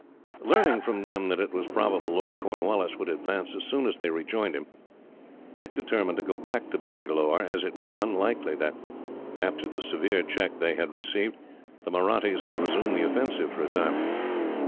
Learning, from them, that it was probable Lord Cornwallis would advance as soon as they rejoined him, Dick determined to go back to Bangalore, as it was unlikely that, after the severe check they had received, the Mahrattis would resume the offensive for a time.